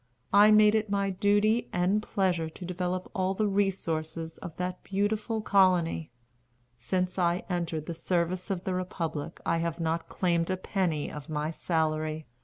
I made it my duty and pleasure to develop all the resources of that beautiful colony. Since I entered the service of the republic I have not claimed a penny of my salary.